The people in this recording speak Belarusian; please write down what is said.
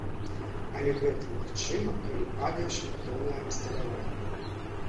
Але гэта магчыма, калі падае шматтоннае абсталяванне.